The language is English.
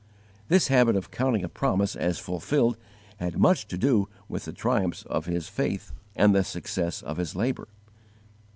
This habit of counting a promise as fulfilled had much to do with the triumphs of his faith and the success of his labour.